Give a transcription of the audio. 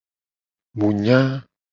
Mu nya.